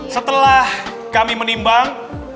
setelah kami menimbang